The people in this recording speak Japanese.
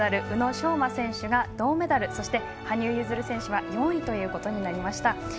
宇野昌磨選手が銅メダルそして羽生結弦選手は４位となりました。